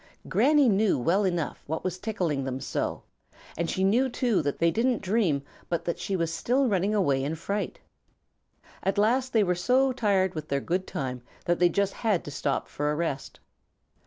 Granny knew well enough what was tickling them so, and she knew too that they didn't dream but that she was still running away in fright. At last they were so tired with their good time that they just had to stop for a rest.